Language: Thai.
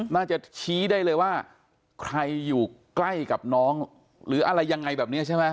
น่าจะชี้ได้เลยว่าใครอยู่ใกล้กับน้องหรืออะไรยังไงแบบนี้ใช่ไหม